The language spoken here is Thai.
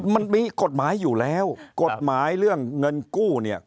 มันมีกฎหมายอยู่แล้วกฎหมายเรื่องเงินกู้เนี่ย